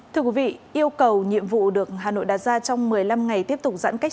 thưa quý vị yêu cầu nhiệm vụ được hà nội đặt ra trong một mươi năm ngày tiếp tục giãn cách